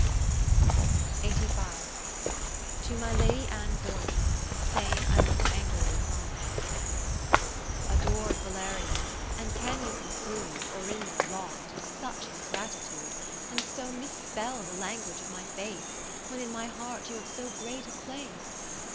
To my Lady Anne Boyle, saying I looked angrily upon her Ador'd Valeria, and can you con clude, Orinda lost in such ingratitude ; And so mis spell the language of my face. When in my heart you have so great a place